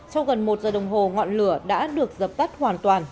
sau gần một giờ đồng hồ ngọn lửa đã được dập tắt hoàn toàn